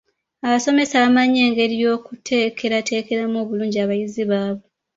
Abasomesa bamanyi engeri y'okuteekerateekeramu obulungi abayizi baabwe.